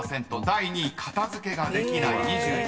第２位片付けができない２１％］